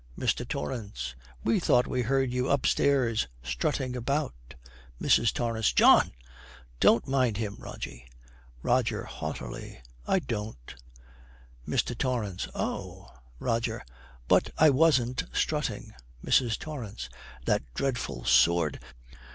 MR. TORRANCE. 'We thought we heard you upstairs strutting about.' MRS. TORRANCE. 'John! Don't mind him, Rogie.' ROGER, haughtily, 'I don't.' MR. TORRANCE. 'Oh!' ROGER. 'But I wasn't strutting.' MRS. TORRANCE. 'That dreadful sword!